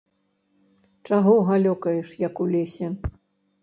Чаго галёкаеш, як у лесе!